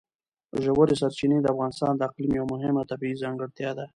ژورې سرچینې د افغانستان د اقلیم یوه مهمه طبیعي ځانګړتیا ده.